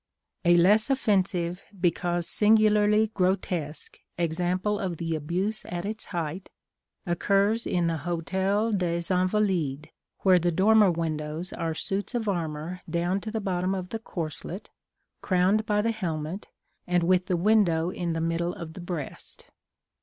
A less offensive, because singularly grotesque, example of the abuse at its height, occurs in the Hôtel des Invalides, where the dormer windows are suits of armor down to the bottom of the corselet, crowned by the helmet, and with the window in the middle of the breast.